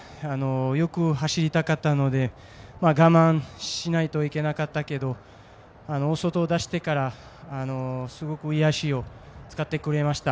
よく走りたかったので我慢しないといけなかったけど大外を出してからすごくいい脚を使ってくれました。